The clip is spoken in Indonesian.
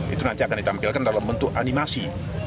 itu nanti akan ditampilkan dalam bentuk animasi